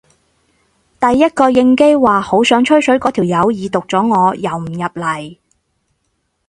第一個應機話好想吹水嗰條友已讀咗我又唔入嚟